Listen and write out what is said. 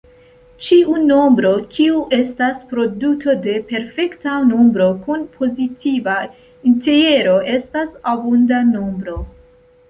Ĉiu nombro kiu estas produto de perfekta nombro kun pozitiva entjero estas abunda nombro.